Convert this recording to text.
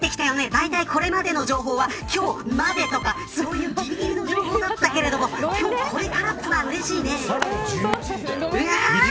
だいたい、これまでの情報は今日までとかそういうぎりぎりの情報だったけれどもこれからっていうのはうれしいね。